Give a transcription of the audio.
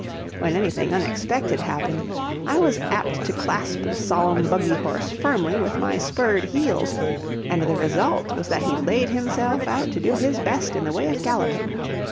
When anything unexpected happened, I was apt to clasp the solemn buggy horse firmly with my spurred heels, and the result was that he laid himself out to do his best in the way of galloping.